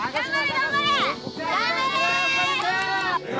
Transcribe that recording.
頑張れー！